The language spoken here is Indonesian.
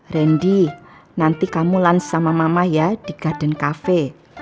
randy nanti kamu lunch sama mama ya di garden cafe